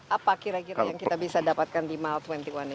apa kira kira yang kita bisa dapatkan di mile dua puluh satu ini